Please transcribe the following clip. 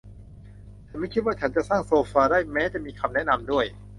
ฉันไม่คิดว่าฉันจะสร้างโซฟาได้แม้จะมีคำแนะนำด้วย